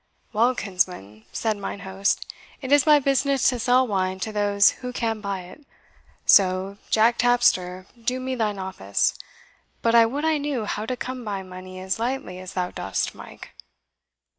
"Well, kinsman," said mine host, "it is my business to sell wine to those who can buy it so, Jack Tapster, do me thine office. But I would I knew how to come by money as lightly as thou dost, Mike."